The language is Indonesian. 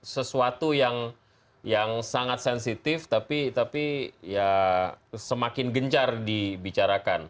sesuatu yang sangat sensitif tapi ya semakin gencar dibicarakan